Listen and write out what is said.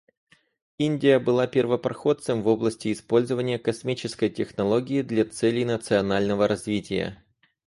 Индия была первопроходцем в области использования космической технологии для целей национального развития.